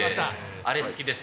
あれ、好きです。